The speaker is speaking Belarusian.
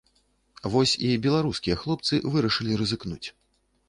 Вось і беларускія хлопцы вырашылі рызыкнуць.